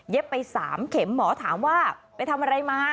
เย็บไปสามเข็มหมอถามว่าไปทำอะไรมา